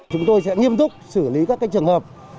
chúng tôi sẽ nghiêm túc xử lý các trường hợp